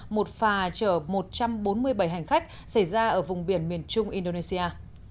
một phà chở một trăm bốn mươi bảy hành khách xảy ra ở vùng biển miền trung indonesia